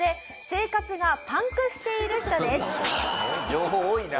情報多いな。